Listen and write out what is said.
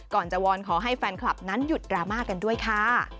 ก่อนจะวอนขอให้แฟนคลับนั้นหยุดดราม่ากันด้วยค่ะ